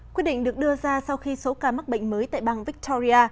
quyết định được đưa ra sau khi số ca mắc bệnh mới tại bang victoria